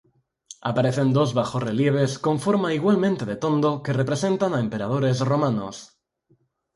Aparecen dos bajorrelieves con forma igualmente de tondo que representan a emperadores romanos.